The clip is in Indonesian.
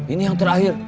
ini yang terakhir